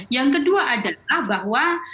yang kedua adalah bahwa